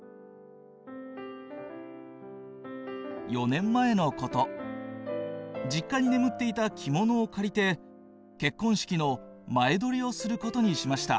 「４年前のこと、実家に眠っていた着物を借りて、結婚式の前撮りをすることにしました。